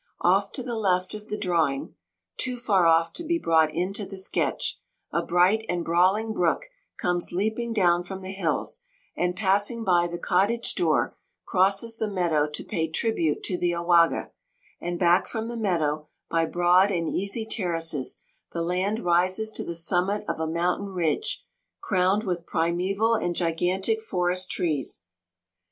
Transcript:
Off to the left of the drawing, (too far off to be brought into the sketch,) a bright and brawling brook comes leaping down from the hills, and passing by the cottage door crosses the meadow to pay tribute to the Owaga; and back from the meadow, by broad and easy terraces, the land rises to the summit of a mountain ridge, crowned with primeval and gigantic forest trees.